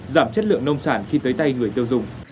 giảm chất lượng nông sản khi tới tay người tiêu dùng